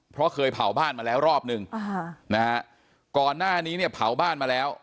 เพราะเคยเผาบ้านมาแล้วรอบนึงก่อนหน้านี้เนี่ยเผาบ้านมาแล้ว